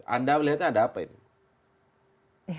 anda melihatnya ada apa ini